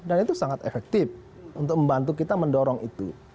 dan itu sangat efektif untuk membantu kita mendorong itu